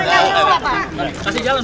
pak kasih jalan